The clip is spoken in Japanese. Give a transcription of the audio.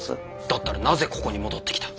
だったらなぜここに戻ってきた。